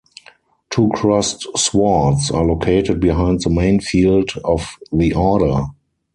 Two crossed swords are located behind the main field of the order.